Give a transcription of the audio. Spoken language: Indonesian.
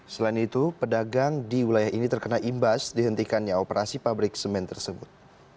selain itu pedagang di wilayah ini terkena imbas dihentikannya operasi pabrik semen tersebut